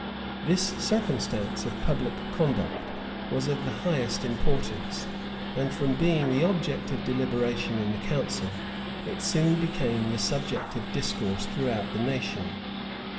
[*] This circumstance of public conduct was of the highest importance; and from being the object of deliberation in the council, it soon became the subject of discourse throughout the nation.